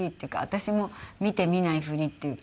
私も見てみないふりっていうか。